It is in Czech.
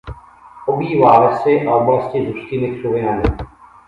Obývá lesy a oblasti s hustými křovinami.